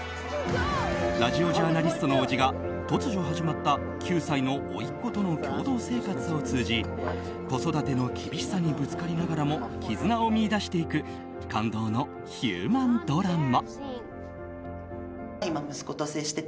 ラジオジャーナリストの叔父が突如始まった９歳のおいっ子との共同生活を通じ子育ての厳しさにぶつかりながらも絆を見いだしていく感動のヒューマンドラマ。